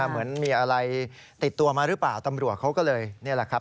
เหมือนมีอะไรติดตัวมาหรือเปล่าตำรวจเขาก็เลยนี่แหละครับ